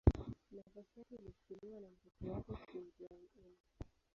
Nafasi yake ilichukuliwa na mtoto wake Kim Jong-un.